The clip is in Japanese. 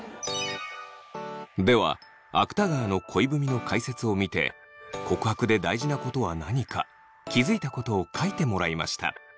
では芥川の恋文の解説を見て告白で大事なことは何か気付いたことを書いてもらいました。